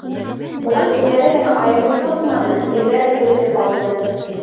Улар үҙҙәре генә айырылып сыҡманы, ерҙәрен бүлдереп алды.